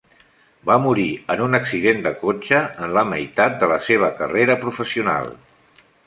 Va morir en un accident de cotxe en la meitat de la seva carrera professional.